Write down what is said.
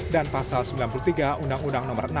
dan pasal sembilan puluh tiga undang undang nomor enam